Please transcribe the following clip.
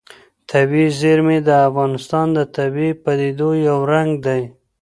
طبیعي زیرمې د افغانستان د طبیعي پدیدو یو رنګ دی.